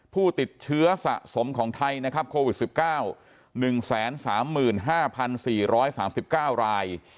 ผู้ติดเชื้อสะสมของไทยนะครับโควิด๑๙๑๓๕๔๓๙ราย